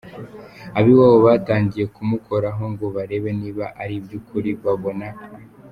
Ab’iwabo batangiye kumukoraho ngo barebe niba ariby’ukuri babona.